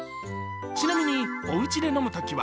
ちなみにおうちで飲むときは？